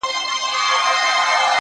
صندان د محبت دي په هر واري مخته راسي ـ